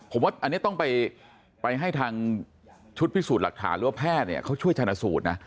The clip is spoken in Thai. ผมว่าอันนี้ต้องไปให้ทางชุดพิสูจน์หลักฐานหรือว่าแพทย์เนี่ยเขาช่วยชนะสูตรนะ